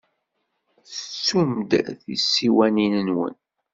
Tettum-d tisiwanin-nwen.